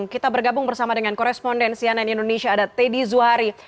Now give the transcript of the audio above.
kita bergabung bersama dengan korespondensianan indonesia ada teddy zuhari